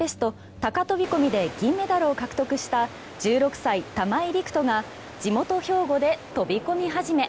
高飛込で銀メダルを獲得した１６歳、玉井陸斗が地元・兵庫で飛込初め。